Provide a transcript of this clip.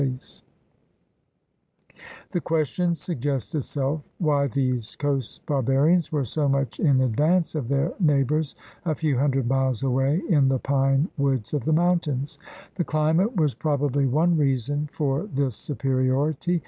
134 THE RED MAN'S CONTINENT The question suggests itself why these coast barbarians were so much in advance of their neighbors a few hundred miles away in the pine woods of the mountains. The climate was prob ably one reason for this superiority.